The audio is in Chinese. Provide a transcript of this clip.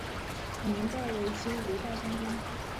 晚年拜为金吾大将军。